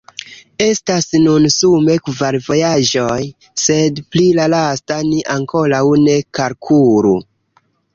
Estas nun sume kvar vojaĝoj, sed pri la lasta ni ankoraŭ ne kalkulu.